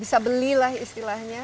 bisa belilah istilahnya